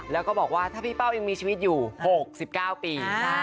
แล้วก็บอกว่าถ้าพี่เป้ายังมีชีวิตอยู่๖๙ปี